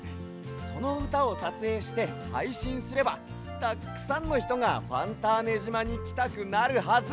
そのうたをさつえいしてはいしんすればたっくさんのひとがファンターネじまにきたくなるはず！